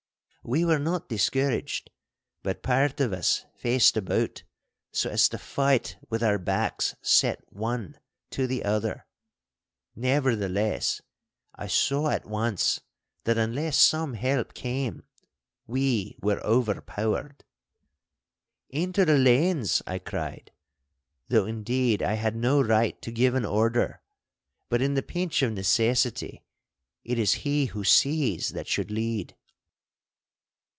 We were not discouraged, but part of us faced about, so as to fight with our backs set one, to the other. Nevertheless, I saw at once that unless some help came we were overpowered. 'Into the lanes!' I cried, though, indeed, I had no right to give an order, but, in the pinch of necessity, it is he who sees that should lead.